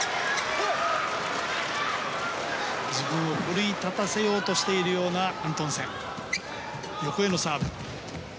自分を奮い立たせようとしているようなアントンセン。